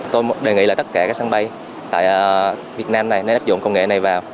tôi đề nghị là tất cả các sân bay tại việt nam này nên áp dụng công nghệ này vào